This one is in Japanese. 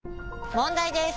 問題です！